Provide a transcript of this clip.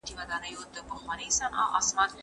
کېدای سي تکړښت ستړی وي!